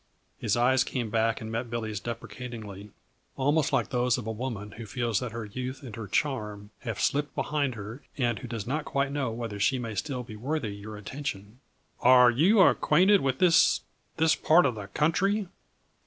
His eyes came back and met Billy's deprecatingly, almost like those of a woman who feels that her youth and her charm have slipped behind her and who does not quite know whether she may still be worthy your attention. "Are you acquainted with this this part of the country?"